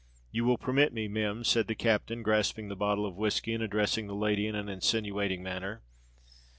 "You will permit me, Mim!" said the captain, grasping the bottle of whiskey, and addressing the lady in an insinuating manner.